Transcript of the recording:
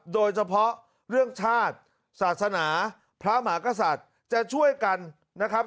โดยเฉพาะเรื่องชาติศาสนาพระมหากษัตริย์จะช่วยกันนะครับ